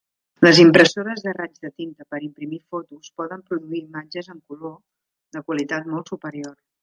Les impressores de raig de tinta per imprimir fotos poden produir imatges en color de qualitat molt superior.